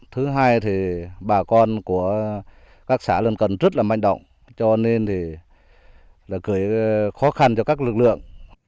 thứ hai thì bà con của các xã lân cần rất là manh động cho nên là gửi khó khăn cho các lực lượng